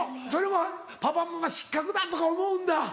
それもパパママ失格だとか思うんだ。